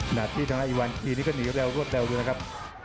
หน้าที่ข้างล่างอีวานคีย์นี้ก็หนีเร็วรวดเร็วดูนะครับ